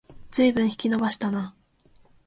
ずいぶん引き延ばしたな